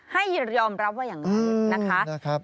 ให้ยอมรับว่าอย่างนั้นนะคะ